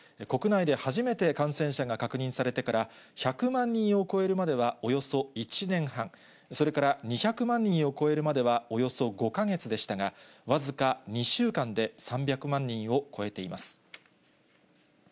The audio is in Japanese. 国内で初めて感染者が確認されてから１００万人を超えるまではおよそ１年半、それから２００万人を超えるまではおよそ５か月でしたが、僅か２週間で３００万人を超えています。